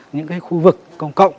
những khu vực công cộng